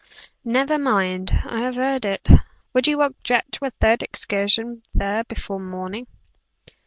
"Never mind; I have heard it. Would you object to a third excursion there before morning?"